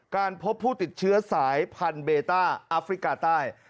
การพบผู้ติดเชื้อสายพันธุเบต้าอัฟริกาใต้